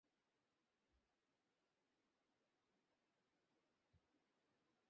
শিক্ষা দাও, মানুষ ব্রহ্মস্বরূপ।